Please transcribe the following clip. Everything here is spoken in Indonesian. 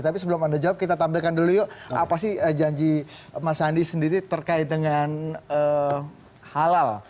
tapi sebelum anda jawab kita tampilkan dulu yuk apa sih janji mas andi sendiri terkait dengan halal